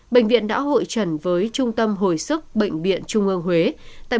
bệnh viện đã hội truyền thông tin và cho biết thêm những ca tử vong trên khi đến cấp cứu đã nặng và phải thở máy